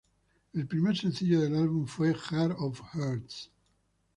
El primer sencillo del álbum fue "Jar of Hearts".